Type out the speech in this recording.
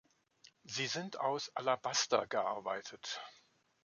Sie sind aus Alabaster gearbeitet.